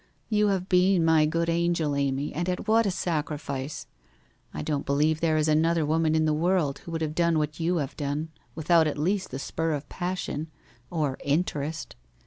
You have been my good angel, Amy, and at what a sacrifice! I don't believe there is another woman in the world who would have done what you have done, with out at least the spur of passion, or interest?'